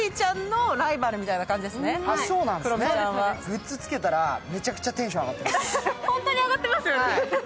グッズをつけたら、めちゃくちゃテンション上がります。